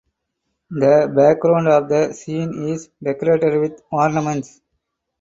The background of the scenes is decorated with ornaments.